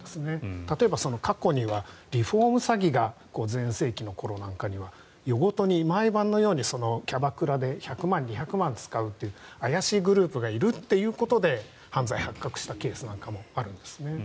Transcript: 例えば過去にはリフォーム詐欺が全盛期の頃なんかには夜ごとに毎晩のようにキャバクラで１００万、２００万使うという怪しいグループがいるということで犯罪が発覚したケースなんかもあるんですね。